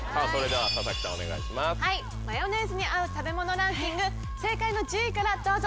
はいマヨネーズに合う食べ物ランキング正解の１０位からどうぞ。